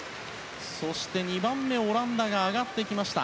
そして、２番目のオランダが上がってきました。